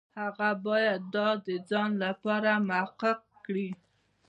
هغه باید دا د ځان لپاره محقق کړي.